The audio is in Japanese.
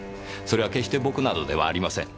それは決して僕などではありません。